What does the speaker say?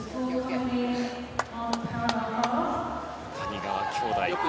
谷川兄弟。